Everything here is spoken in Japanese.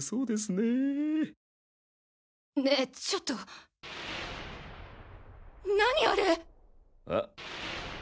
ねぇちょっと何あれ？え？